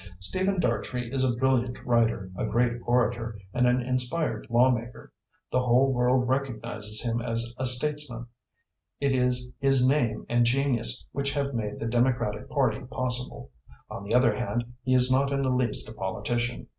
"Stephen Dartrey is a brilliant writer, a great orator, and an inspired lawmaker. The whole world recognises him as a statesman. It is his name and genius which have made the Democratic Party possible. On the other hand, he is not in the least a politician.